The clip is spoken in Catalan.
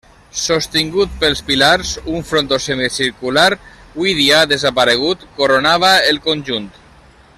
Sostingut pels pilars, un frontó semicircular, hui dia desaparegut, coronava el conjunt.